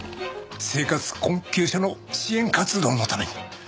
生活困窮者の支援活動のために。